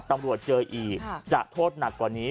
ตำรวจเจออีกจะโทษหนักกว่านี้